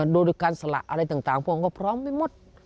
โดยการสละอะไรต่างพวกก็พร้อมไม่หมด